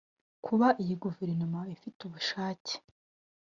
Kuba iriya Guverinoma ifite ubushake